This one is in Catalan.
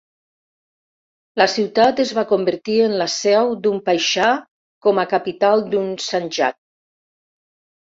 La ciutat es va convertir en la seu d'un paixà com a capital d'un sanjak.